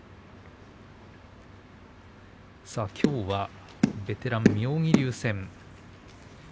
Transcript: きょうはベテラン妙義龍戦。